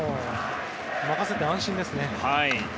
任せて安心ですね。